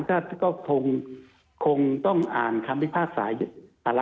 ก็คงต้องอ่านคำวิภาคศาสตร์